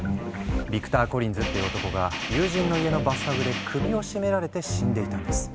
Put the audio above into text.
ビクター・コリンズっていう男が友人の家のバスタブで首を絞められて死んでいたんです。